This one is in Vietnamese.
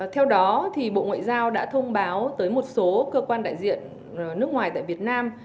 theo đó bộ ngoại giao đã thông báo tới một số cơ quan đại diện nước ngoài tại việt nam